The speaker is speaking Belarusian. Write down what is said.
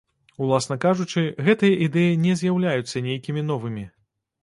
Уласна кажучы, гэтыя ідэі не з'яўляюцца нейкімі новымі.